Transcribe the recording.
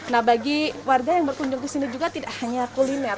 nah bagi warga yang berkunjung ke sini juga tidak hanya kuliner